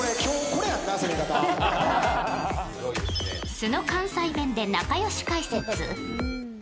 素の関西弁で、仲良し解説。